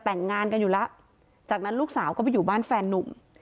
แต่งงานกันอยู่แล้วจากนั้นลูกสาวก็ไปอยู่บ้านแฟนนุ่ม